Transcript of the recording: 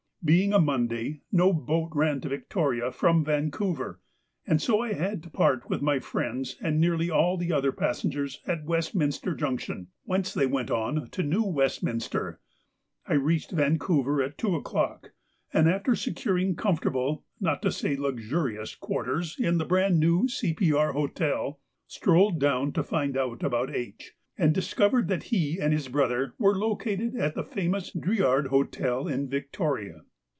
Being a Monday, no boat ran to Victoria from Vancouver, and so I had to part with my friends and nearly all the other passengers at Westminster Junction, whence they went on to New Westminster. I reached Vancouver at two o'clock, and after securing comfortable, not to say luxurious, quarters in the brand new C.P.R. hotel, strolled down to find out about H., and discovered that he and his brother were located at the famous Driard Hotel in Victoria.